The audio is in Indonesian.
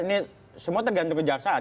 ini semua tergantung kejaksaan